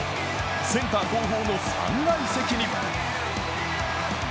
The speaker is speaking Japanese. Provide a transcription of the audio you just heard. センター後方の３階席に。